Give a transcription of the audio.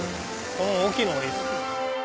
この大きいのがいいですか？